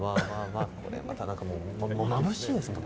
これもう、見た目もまぶしいですもんね。